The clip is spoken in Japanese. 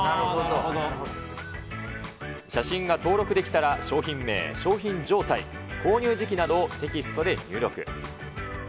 写真が登録できたら、商品名、商品状態、購入時期などをテキストで入力。